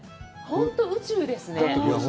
本当宇宙ですね。